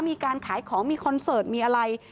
มีการขายของมีคอนเสิร์ตมีอะไร